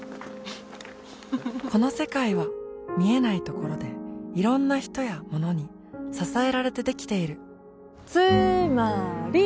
この世界は見えないところでいろんな人やものに支えられてできているつーまーり！